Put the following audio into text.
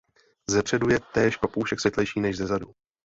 Zepředu je též papoušek světlejší než zezadu.